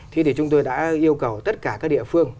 thế thì chúng tôi đã yêu cầu tất cả các địa phương